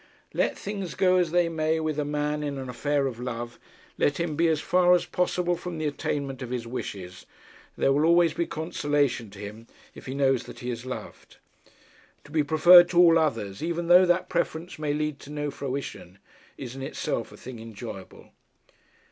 Let things go as they may with a man in an affair of love, let him be as far as possible from the attainment of his wishes, there will always be consolation to him if he knows that he is loved. To be preferred to all others, even though that preference may lead to no fruition, is in itself a thing enjoyable.